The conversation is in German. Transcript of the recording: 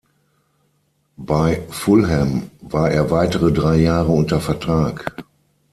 Bei Fulham war er weitere drei Jahre unter Vertrag.